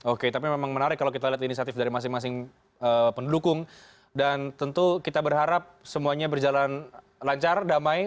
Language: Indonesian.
oke tapi memang menarik kalau kita lihat inisiatif dari masing masing pendukung dan tentu kita berharap semuanya berjalan lancar damai